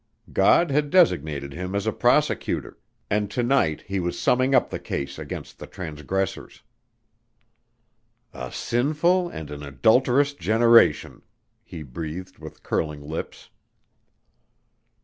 God had designated him as a prosecutor, and to night he was summing up the case against the transgressors. "A sinful and an adulterous generation!" he breathed with curling lips.